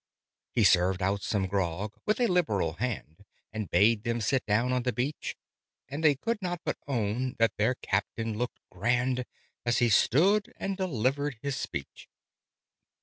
He served out some grog with a liberal hand, And bade them sit down on the beach: And they could not but own that their Captain looked grand, As he stood and delivered his speech.